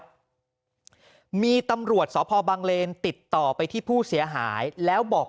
ครับมีตำรวจสพบังเลนติดต่อไปที่ผู้เสียหายแล้วบอก